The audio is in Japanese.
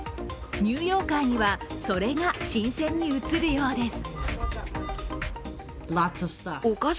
ニューヨーカーにはそれが新鮮に映るようです。